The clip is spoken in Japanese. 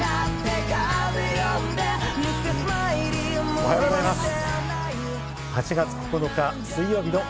おはようございます。